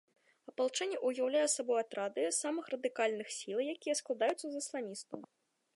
Апалчэнне ўяўляе сабой атрады самых радыкальных сіл, якія складаюцца з ісламістаў.